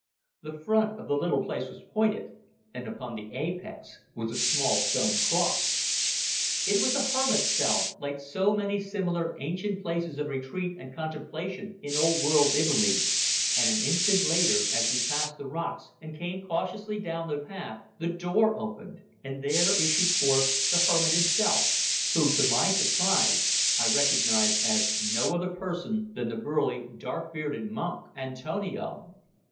The front of the little place was pointed, and upon the apex was a small stone cross. It was a hermit's cell, like so many similar ancient places of retreat and contemplation in old world Italy, and an instant later, as we passed the rocks and came cautiously down the path, the door opened, and there issued forth the hermit himself, who, to my surprise, I recognised as no other person than the burly, dark bearded monk, Antonio!